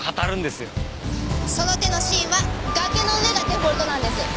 その手のシーンは崖の上がデフォルトなんです。